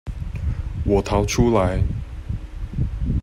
我逃出來